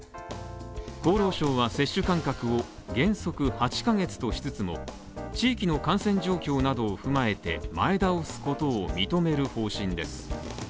厚労省は接種間隔を原則８ヶ月としつつも、地域の感染状況などを踏まえて、前倒すことを認める方針です。